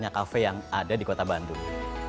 ini adalah satu satunya kafe yang ada di kota bandung